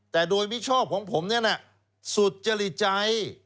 แต่โดยมิชอบของผมเนี่ยนะสุจริตใจ